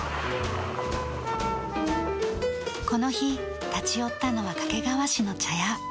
この日立ち寄ったのは掛川市の茶屋。